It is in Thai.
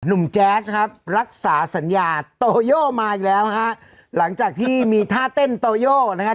แจ๊สครับรักษาสัญญาโตโยมาอีกแล้วนะฮะหลังจากที่มีท่าเต้นโตโยนะครับ